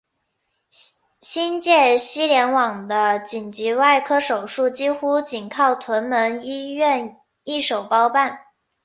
新界西联网的紧急外科手术几乎仅靠屯门医院一手包办。